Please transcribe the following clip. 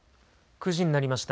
９時になりました。